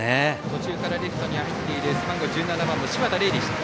途中からレフトに入っている背番号１７番の柴田怜英でした。